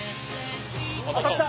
当たった！